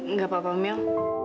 nggak pak pemil